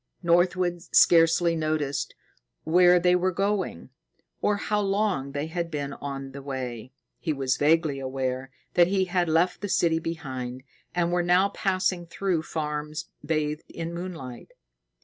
Northwood scarcely noted where they were going, or how long they had been on the way. He was vaguely aware that they had left the city behind, and were now passing through farms bathed in moonlight.